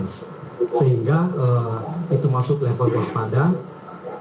sehingga itu masuk level awas pandang